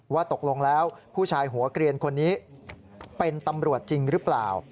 ว่าตกลงแล้วผู้ชายหัวเกลียนคนนี้เป็นตำรวจจริงหรือเปล่า